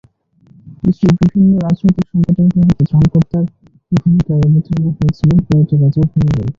দেশটির বিভিন্ন রাজনৈতিক সংকটের মুহূর্তে ত্রাণকর্তার ভূমিকায় অবতীর্ণ হয়েছিলেন প্রয়াত রাজা ভুমিবল।